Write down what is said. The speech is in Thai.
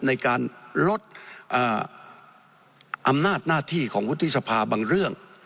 ในการลดอำนาจหน้าที่ของวุฒิสภาบางเรื่อง